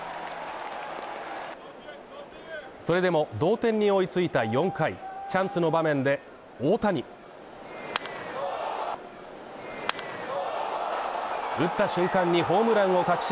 それでも同点に追いついた４回、チャンスの場面で、大谷打った瞬間にホームランを確信。